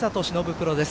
プロです。